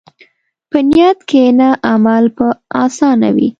په نیت کښېنه، عمل به اسانه وي.